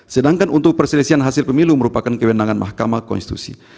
sedangkan untuk perselisihan hasil pemilu merupakan kewenangan mahkamah konstitusi